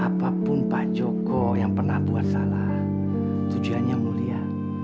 tapi apa pun pak joko yang pernah buat salah tujuannya mulia